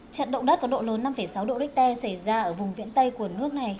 trận động đất có độ lớn năm sáu độ richter xảy ra ở vùng viễn tây của nước này